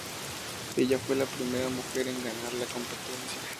Ella fue la primera mujer en ganar la competencia.